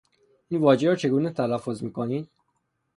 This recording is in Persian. این واژه را چگونه تلفظ میکنید؟